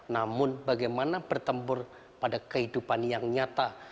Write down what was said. namun bagaimana bertempur pada kehidupan yang nyata